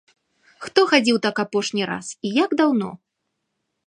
Хто хадзіў так апошні раз і як даўно?